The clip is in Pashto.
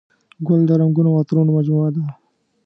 ګل د رنګونو او عطرونو مجموعه ده.